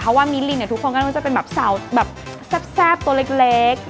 เพราะว่ามิลินเนี่ยทุกคนก็น่าจะเป็นแบบสาวแบบแซ่บตัวเล็ก